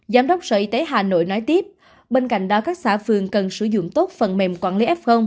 giám đốc sở y tế hà nội nói tiếp bên cạnh đó các xã phường cần sử dụng tốt phần mềm quản lý f